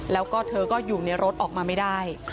แล้วก็เธอก็อยู่ในรถออกมาไม่ได้